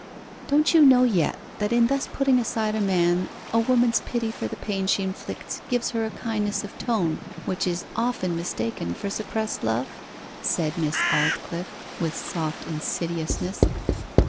'Don't you know yet, that in thus putting aside a man, a woman's pity for the pain she inflicts gives her a kindness of tone which is often mistaken for suppressed love?' said Miss Aldclyffe, with soft insidiousness.